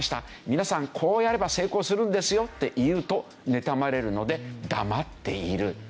「皆さんこうやれば成功するんですよ」って言うとねたまれるので黙っている。